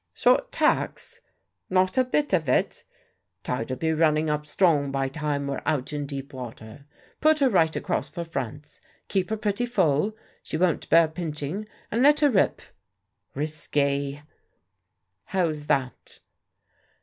"Short tacks? Not a bit of it; tide'll be running up strong by time we're out in deep water. Put her right across for France, keep her pretty full she won't bear pinching and let her rip." "Risky." "How's that?"